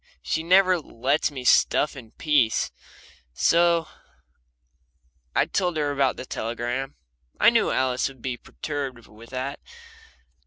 She never lets me stuff in peace. So I told her about the telegram I knew Alice would be perturbed with that.